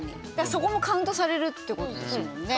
そこもカウントされるってことですもんね。